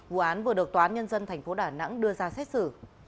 vụ án vừa được tòa án nhân dân tp đà nẵng đưa ra xét xử